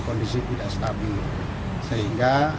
kondisi tidak stabil sehingga